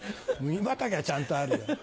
麦畑はちゃんとあるよ。